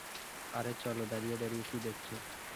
আরে চলো, দাঁড়িয়ে দাঁড়িয়ে কি দেখছো?